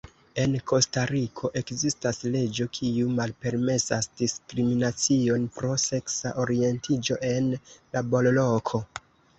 En Kostariko ekzistas leĝo kiu malpermesas diskriminacion pro seksa orientiĝo en laborloko.